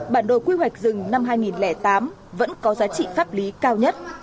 bản đồ quy hoạch rừng năm hai nghìn tám vẫn có giá trị pháp lý cao nhất